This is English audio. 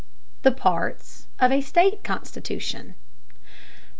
A. THE PARTS OF A STATE CONSTITUTION 577.